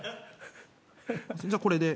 じゃあこれで。